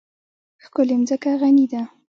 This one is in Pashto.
ښکلې مځکه غني ده.